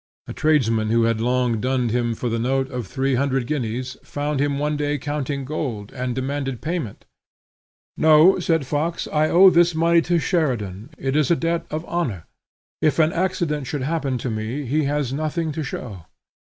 A tradesman who had long dunned him for a note of three hundred guineas, found him one day counting gold, and demanded payment: "No," said Fox, "I owe this money to Sheridan; it is a debt of honor; if an accident should happen to me, he has nothing to show."